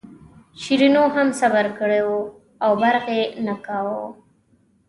شیرینو هم صبر کړی و او برغ یې نه کاوه.